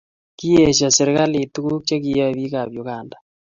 Kiesho serikalit tuguk chikiyae bik ab Uganda.